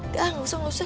gak gak usah gak usah